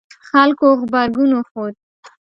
خلکو غبرګون وښود